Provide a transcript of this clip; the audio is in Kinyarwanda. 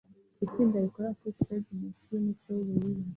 Itsinda rikora kuri stage munsi yumucyo wubururu